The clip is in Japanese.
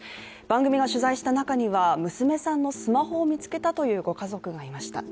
番組が取材した中には娘さんのスマホを見つけたというご家族もいました。